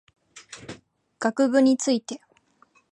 学部について